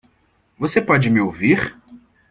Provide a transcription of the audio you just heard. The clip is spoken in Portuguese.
Você pode me ouvir?